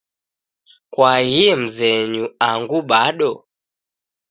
Kwaaghie mzenyu angu bado?